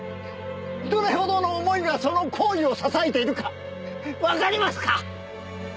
どれほどの思いがその行為を支えているかわかりますか？